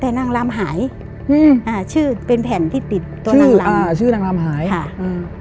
แต่นางลำหายอืมอ่าชื่อเป็นแผ่นที่ติดตัวนางลำอ่าชื่อนางลำหายค่ะอืม